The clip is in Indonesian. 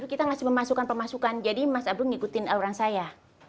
kita ngasih pemasukan pemasukan jadi mas abdul ngikutin aluran saya